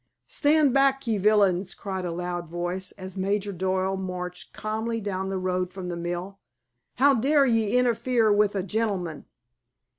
"Stand back, ye villains!" cried a loud voice, as Major Doyle marched calmly down the road from the mill; "how dare ye interfere with a gentleman?"